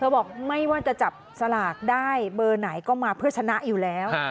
บอกไม่ว่าจะจับสลากได้เบอร์ไหนก็มาเพื่อชนะอยู่แล้ว